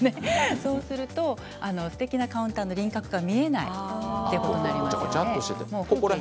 そうするとすてきなカウンターの輪郭が見えないということになります。